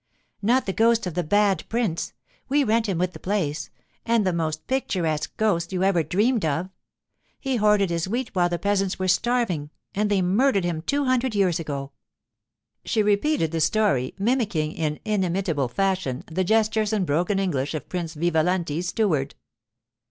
'Not the ghost of the "Bad Prince"; we rent him with the place—and the most picturesque ghost you ever dreamed of! He hoarded his wheat while the peasants were starving, and they murdered him two hundred years ago.' She repeated the story, mimicking in inimitable fashion the gestures and broken English of Prince Vivalanti's steward.